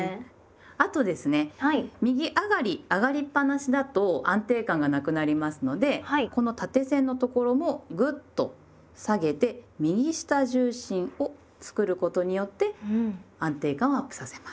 あとですね右上がり上がりっぱなしだと安定感がなくなりますのでこの縦線のところをぐっと下げて右下重心を作ることによって安定感をアップさせます。